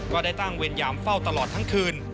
ก็ได้ตั้งเวรยามเฝ้าตลอดทั้งคืน